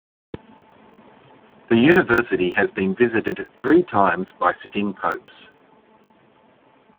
The university has been visited three times by sitting popes.